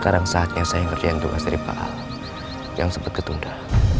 sekarang saatnya saya ngerjain tugas dari pak al yang sempet ketunda